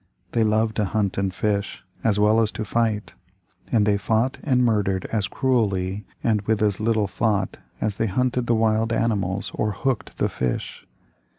They loved to hunt and fish, as well as to fight, and they fought and murdered as cruelly and with as little thought as they hunted the wild animals or hooked the fish.